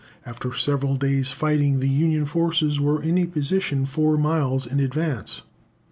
After several days' fighting, the Union forces were in a position four miles in advance.